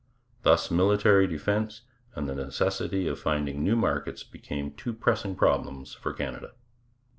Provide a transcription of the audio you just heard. Thus military defence and the necessity of finding new markets became two pressing problems for Canada.